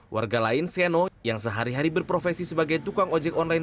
warga lain seno yang sehari hari berprofesi sebagai tukang ojek online